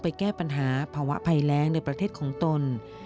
แก้ปัญหาภาวะภัยแรงในประเทศของตน